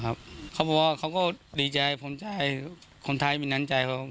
เขาบอกว่าดีใจภรรยาทุกคนมีน้ำใจ